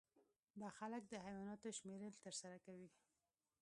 دا خلک د حیواناتو شمیرل ترسره کوي